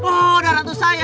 oh udah nanti saya